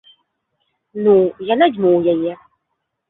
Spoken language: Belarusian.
Ну, я надзьмуў яе.